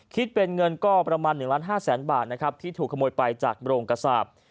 คิดเป็นเงินก็ประมาณ๑๕๐๐๐๐๐บาทที่ถูกขโมยไปจากโบรงกษาบ